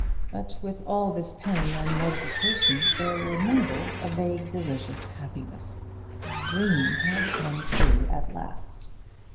But with all this pain and mortification there mingled a vague delicious happiness. The dream had come true at last.